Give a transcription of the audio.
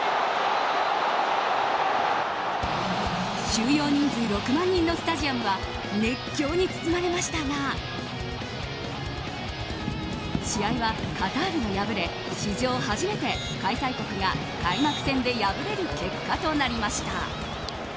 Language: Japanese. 収容人数６万人のスタジアムは熱狂に包まれましたが試合はカタールが敗れ史上初めて開催国が開幕戦で敗れる結果となりました。